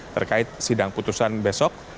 terkait sidang putusan besok